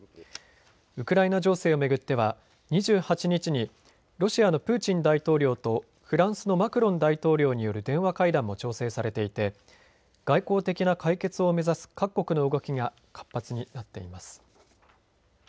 ウクライナ情勢を巡っては２８日にロシアのプーチン大統領とフランスのマクロン大統領による電話会談も調整されていて外交的な解決を目指す各国の動きが活発になっています。